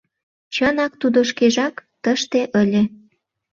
Чынак, тудо шкежак тыште ыле.